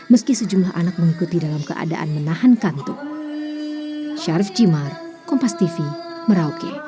meski sejumlah anak mengikuti dalam keadaan menahan kantung